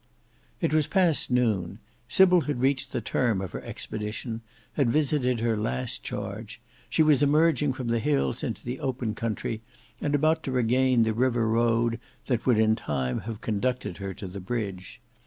It was past noon: Sybil had reached the term of her expedition, had visited her last charge; she was emerging from the hills into the open country, and about to regain the river road that would in time have conducted her to the bridge.